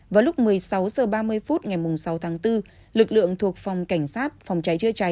vào lúc một mươi sáu h ba mươi phút ngày sáu tháng bốn lực lượng thuộc phòng cảnh sát phòng cháy chữa cháy